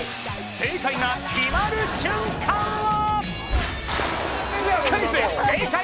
正解が決まる瞬間を。